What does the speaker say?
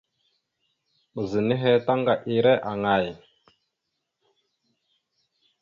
Ɓəza nehe taŋga ira aŋay?